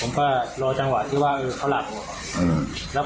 ผมก็รอจังหวะที่เขาหลัก